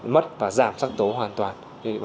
mất và giảm sắc tố hoàn toàn